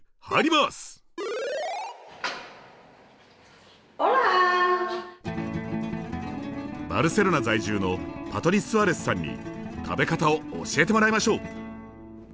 バルセロナ在住のパトリ・スアレスさんに食べ方を教えてもらいましょう！